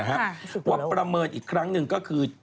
ว่าประเมินอีกครั้งหนึ่งก็คือ